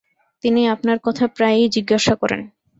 তিনি আপনার কথা প্রায়ই জিজ্ঞাসা করেন।